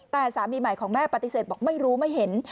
แต่สามีใหม่ของแม่ปฏิเสธบอกไม่รู้ไม่เห็น